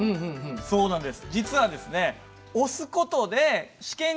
そうなんです。